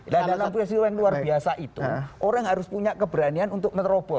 dan dalam situasi yang luar biasa itu orang harus punya keberanian untuk menerobos